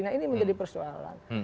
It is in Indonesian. nah ini menjadi persoalan